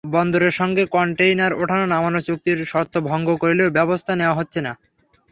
বন্দরের সঙ্গে কনটেইনার ওঠানো-নামানোর চুক্তির শর্ত ভঙ্গ করলেও ব্যবস্থা নেওয়া হচ্ছে না।